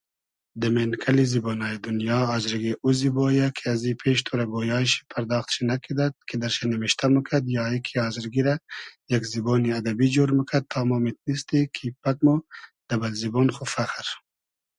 دۂ مېنکئلی زیبۉنایی دونیا آزرگی او زیبۉ یۂ کی ازی پېش تۉرۂ گۉیای شی پئرداخت شی نئکیدئد کی در شی نیمیشتۂ موکئد یا ای کی آزرگی رۂ یئگ زیبۉنی ادئبی جۉر موکئد تا مو میتینیستی کی پئگ مۉ دۂ بئل زیبۉن خو فئخر